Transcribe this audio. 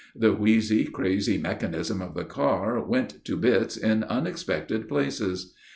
The wheezy, crazy mechanism of the car went to bits in unexpected places.